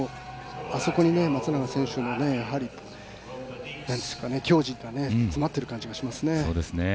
あそこに松永選手の矜持が詰まっている感じがしますね。